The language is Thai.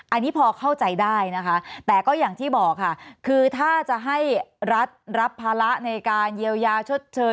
อันนี้พอเข้าใจได้นะคะแต่ก็อย่างที่บอกค่ะคือถ้าจะให้รัฐรับภาระในการเยียวยาชดเชย